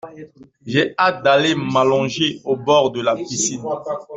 J'ai hâte d'aller m'allonger au bord de la piscine.